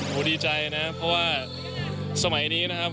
โอ้โหดีใจนะเพราะว่าสมัยนี้นะครับ